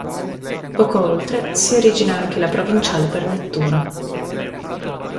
Poco oltre si origina anche la Provinciale per Nettuno.